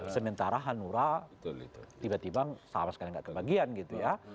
sementara hanura tiba tiba sama sekali nggak kebagian gitu ya